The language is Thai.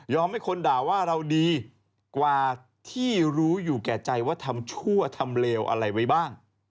ให้คนด่าว่าเราดีกว่าที่รู้อยู่แก่ใจว่าทำชั่วทำเลวอะไรไว้บ้าง